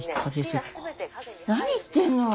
何言ってんの？